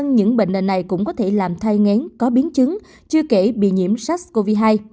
này cũng có thể làm thai ngán có biến chứng chưa kể bị nhiễm sars cov hai